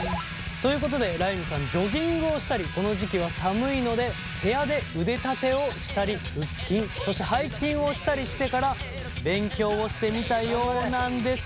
ということでらいむさんジョギングをしたりこの時期は寒いので部屋で腕立てをしたり腹筋そして背筋をしたりしてから勉強してみたようなんですが。